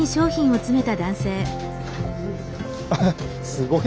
すごい。